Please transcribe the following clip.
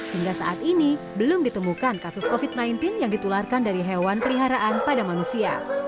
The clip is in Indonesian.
hingga saat ini belum ditemukan kasus covid sembilan belas yang ditularkan dari hewan peliharaan pada manusia